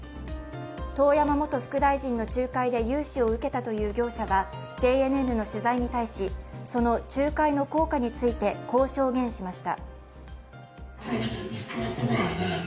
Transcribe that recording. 遠山元副大臣の仲介で融資を受けたという業者は、ＪＮＮの取材に対し、その仲介の効果についてこう証言しました。